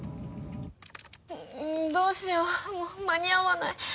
どうしよう間に合わない。